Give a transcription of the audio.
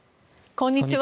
こんにちは。